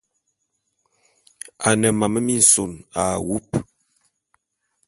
A ne mam minsōs a wub.